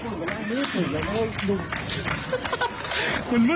โอ้ขอบคุณค่ะ